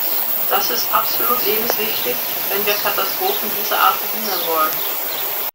Das ist absolut lebenswichtig, wenn wir Katastrophen dieser Art verhindern wollen.